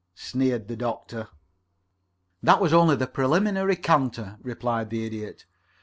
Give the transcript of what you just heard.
sneered the Doctor. "That was only the preliminary canter," replied the Idiot.